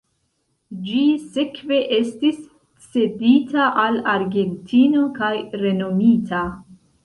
Ĝi sekve estis cedita al Argentino kaj renomita.